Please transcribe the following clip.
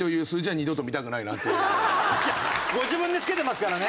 いやご自分でつけてますからね。